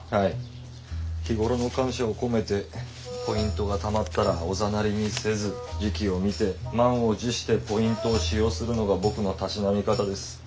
日頃の感謝を込めてポイントがたまったらおざなりにせず時期を見て満を持してポイントを使用するのが僕のたしなみ方です。